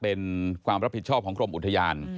เป็นความรับผิดชอบของกรมอุทยาน